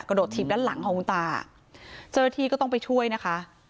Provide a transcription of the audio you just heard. กระโดดถีบด้านหลังของคุณตาเจอทีก็ต้องไปช่วยนะคะ